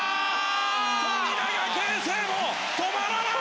富永啓生、止まらない！